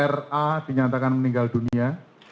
ra dinyatakan meninggal dunia